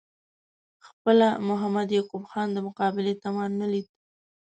خپله محمد یعقوب خان د مقابلې توان نه لید.